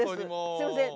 すいません。